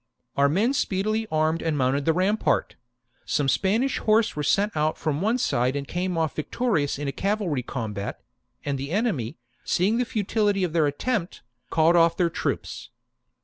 Our men speedily armed and mounted the rampart ; some Spanish horse were sent out from one side and came off victorious in a cavalry combat ; and the enemy, seeing the futility of their attempt, called off their troops.